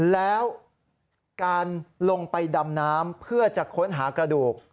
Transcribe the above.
แล้วการลงไปดำน้ำเพื่อจะค้นหากระดูก